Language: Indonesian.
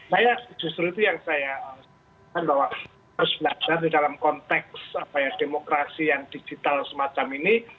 saya justru itu yang saya sebutkan bahwa harus belajar di dalam konteks demokrasi yang digital semacam ini